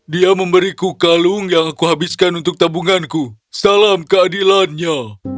dia memberiku kalung yang aku habiskan untuk tabunganku salam keadilannya